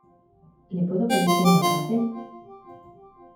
¿ le puedo pedir que me abrace?